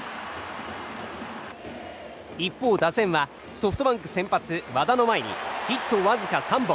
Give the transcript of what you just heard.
一方、打線はソフトバンク先発和田の前にヒットわずか３本。